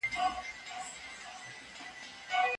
مرګ تر ژوند ډیر ارام دی.